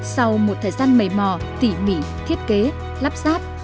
sau một thời gian mầy mò tỉ mỉ thiết kế lắp ráp